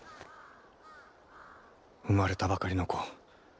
生まれたばかりの子！